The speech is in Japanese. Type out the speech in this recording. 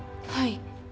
はい。